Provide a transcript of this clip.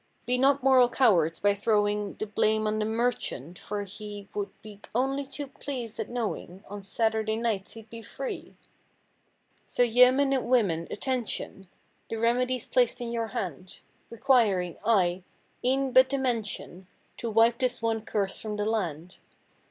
Be not moral cowards by throwing The blame on the merchant, for he Would be only too pleased at knowing On Saturday nights he'd be free. So, yoemen and women, attention! The remedy's placed in your hand; Requiring, aye, e'en but the mention To wipe this one curse from the land.